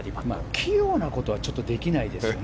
器用なことはできないですよね。